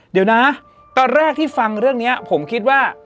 เดี๋ยวนะตอนแรกที่ฟังเรื่องนี้ผมคิดว่า